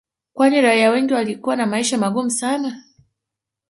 Kwani raia wengi walikuwa na maisha magumu sana